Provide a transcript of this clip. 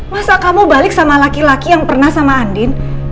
masa kamu balik sama laki laki yang pernah sama andin